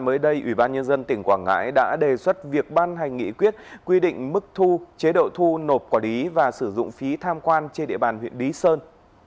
mới đây ủy ban nhân dân tỉnh quảng ngãi đã đề xuất việc ban hành nghị quyết quy định mức thu chế độ thu nộp quản lý và sử dụng phí tham quan trên địa bàn huyện lý sơn